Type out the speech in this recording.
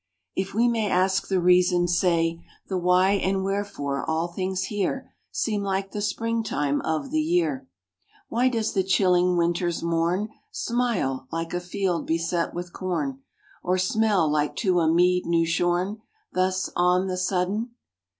If we may ask the reason, say, The why and wherefore all things here Seem like the spring time of the year? Why does the chilling winter's morn Smile, like a field beset with corn? Or smell, like to a mead new shorn, Thus, on the sudden?